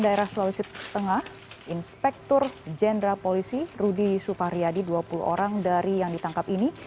daerah sulawesi tengah inspektur jenderal polisi rudy sufahriyadi dua puluh orang dari yang ditangkap ini